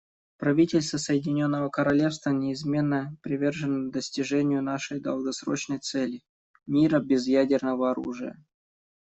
Правительство Соединенного Королевства неизменно привержено достижению нашей долгосрочной цели − мира без ядерного оружия.